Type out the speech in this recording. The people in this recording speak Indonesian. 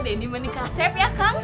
denny manikasep ya kang